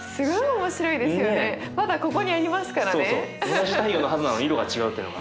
同じ太陽のはずなのに色が違うってのが。